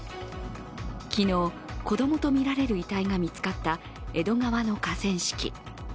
昨日、子供とみられる遺体が見つかった江戸川の河川敷。